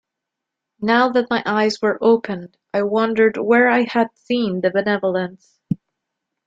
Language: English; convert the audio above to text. Now that my eyes were opened I wondered where I had seen the benevolence.